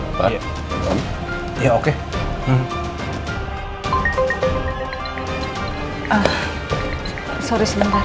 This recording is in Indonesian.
sepertinya irvan masih males ngomong sama aku